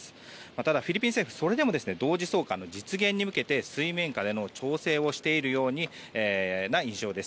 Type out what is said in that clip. ただフィリピン政府はそれでも同時送還の実現に向けて水面下で調整をしているような印象です。